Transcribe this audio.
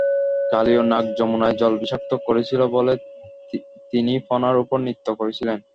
কালীয় নাগ যমুনায় জল বিষাক্ত করছিল বলে তিনি ফণার উপর নৃত্য করছিলেন।